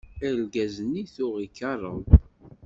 Argaz-nni tuɣ ikeṛṛeb.